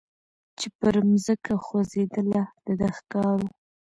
چي پر مځکه خوځېدله د ده ښکار وو